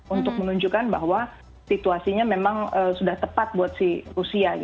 untuk menunjukkan bahwa situasinya memang sudah tepat buat si rusia